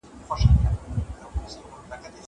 زه به سبا د کتابتون لپاره کار کوم!!